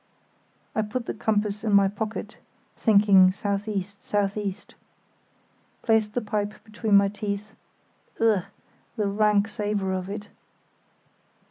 I put the compass in my pocket (thinking "south east, south east"), placed the pipe between my teeth (ugh! the rank savour of it!)